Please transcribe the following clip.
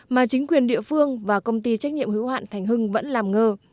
mà chính quyền địa phương và công ty trách nhiệm hữu hạn thành hưng vẫn làm ngơ